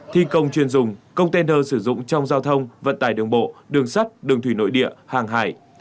thi công chuyên dùng container sử dụng trong giao thông vận tải đường bộ đường sắt đường thủy nội địa hàng hải